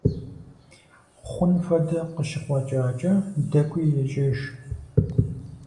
Хъун хуэдэ къыщыкъуэкӀакӀэ, дэкӀуи ежьэж.